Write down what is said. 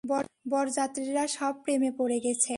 বরযাত্রীরা সব প্রেমে পড়ে গেছে।